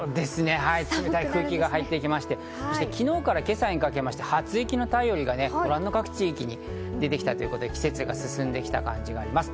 冷たい空気が入ってきまして、そして昨日から今朝にかけて初雪の便りがご覧の各地域に出てきたということで、季節が進んできた感じがあります。